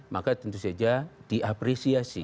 maka tentu saja diapresiasi